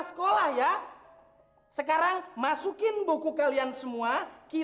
selain kamu berani